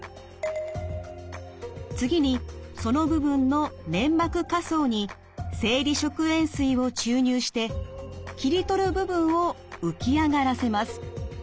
次にその部分の粘膜下層に生理食塩水を注入して切り取る部分を浮き上がらせます。